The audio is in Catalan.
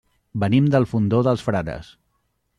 Venim del Fondó dels Frares.